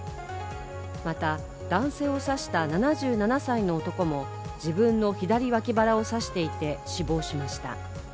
また、男性を刺した７７歳の男も自分の左脇腹を刺していて死亡しました。